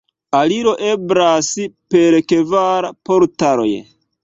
Aliro eblas per kvar portaloj.